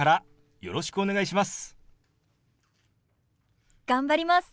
よろしくお願いします。